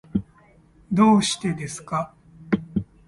どうしてですか。